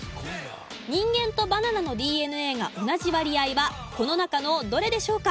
人間とバナナのＤＮＡが同じ割合はこの中のどれでしょうか？